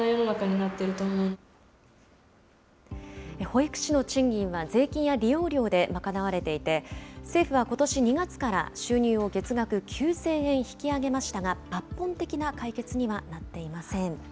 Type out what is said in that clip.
保育士の賃金は、税金や利用料で賄われていて、政府はことし２月から収入を月額９０００円引き上げましたが、抜本的な解決にはなっていません。